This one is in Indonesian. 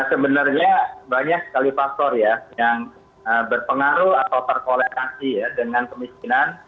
sebenarnya banyak sekali faktor ya yang berpengaruh atau terkolerasi ya dengan kemiskinan